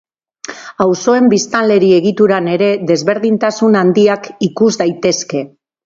Auzoen biztanleri egituran ere, desberdintasun handiak ikus daitezke.